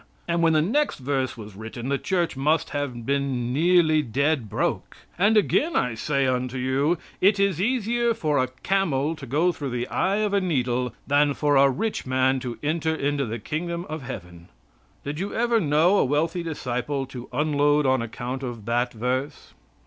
And when the next verse was written the Church must have been nearly dead broke. "And again I say unto you, it is easier for a camel to go through the eye of a needle than for a rich man to enter into the kingdom of God." Did you ever know a wealthy disciple to unload on account of that verse?